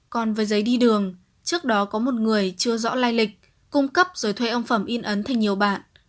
còn với giấy đi đường trước đó có một người chưa rõ lai lịch cung cấp rồi thuê ông phẩm in ấn thành nhiều bạn